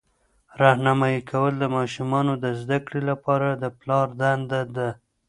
راهنمایي کول د ماشومانو د زده کړې لپاره د پلار دنده ده.